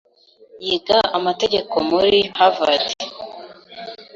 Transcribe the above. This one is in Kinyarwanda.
Yiga amategeko muri Harvard.